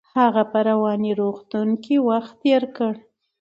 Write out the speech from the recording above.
هغه په رواني روغتون کې وخت تیر کړ.